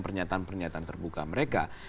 pernyataan pernyataan terbuka mereka